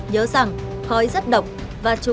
nhớ rằng khói rất độc